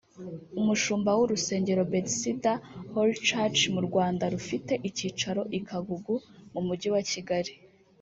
umushumba w’urusengero Bethesda Holy Church mu Rwanda rufite icyicaro i Kagugu mu mujyi wa Kigali